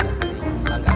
masam itu kaget tavuh